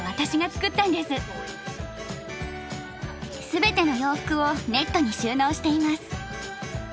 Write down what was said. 全ての洋服をネットに収納しています。